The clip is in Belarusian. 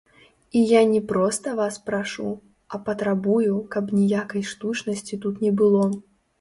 І я не проста вас прашу, а патрабую, каб ніякай штучнасці тут не было.